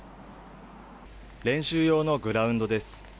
練習用のグラウンドです。